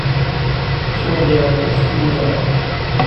Ttwaliɣ aṭas tiliẓri.